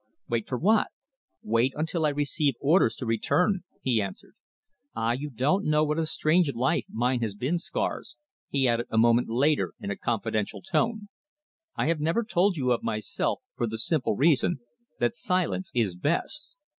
"Wait for what?" "Wait until I receive orders to return," he answered. "Ah, you don't know what a strange life mine has been, Scars," he added a moment later in a confidential tone. "I have never told you of myself for the simple reason that silence is best.